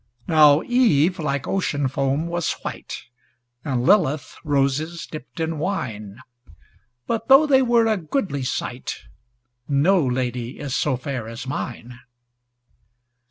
Now Eve like ocean foam was white, And Lilith, roses dipped in wine, But though they were a goodly sight, No lady is so fair as mine.